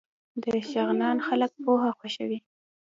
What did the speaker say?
د شغنان خلک پوهه خوښوي